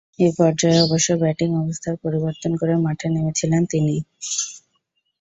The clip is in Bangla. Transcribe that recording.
এ পর্যায়ে অবশ্য ব্যাটিং অবস্থান পরিবর্তন করে মাঠে নেমেছিলেন তিনি।